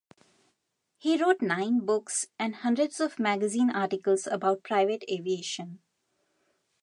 He wrote nine books and hundreds of magazine articles about private aviation.